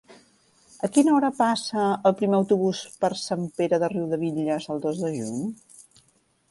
A quina hora passa el primer autobús per Sant Pere de Riudebitlles el dos de juny?